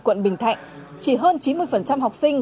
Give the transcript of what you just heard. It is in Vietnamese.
quận bình thạnh chỉ hơn chín mươi học sinh